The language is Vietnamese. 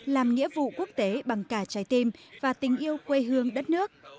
làm nghĩa vụ quốc tế bằng cả trái tim và tình yêu quê hương đất nước